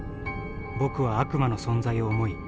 僕は悪魔の存在を思い